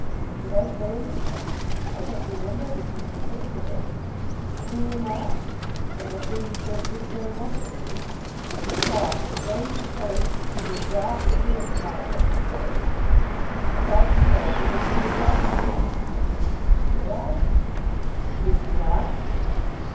"Did I say anything? I don't remember anything particular." "Do you not? Then I fear you can't think very much of me." He paused as though he supposed that she would drop into his mouth like a cherry. "I thought you told me that you would love me." "Did I?" "Did you not?"